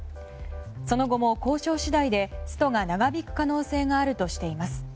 その後も交渉次第でストが長引く可能性があるとしています。